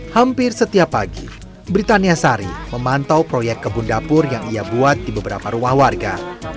hampir setiap pagi britania sari memantau proyek kebun dapur yang ia buat di beberapa rumah warga